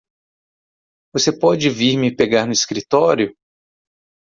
Você pode vir me pegar no escritório?